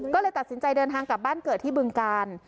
ก็เลยตัดสินใจเดินทางกลับบ้านเกิดที่บึงกาล